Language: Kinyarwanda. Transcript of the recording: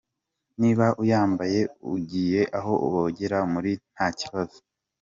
Niba uyambaye ugiye aho bogera muri ntakibazo.